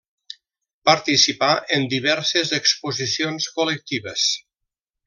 Participà en diverses exposicions col·lectives.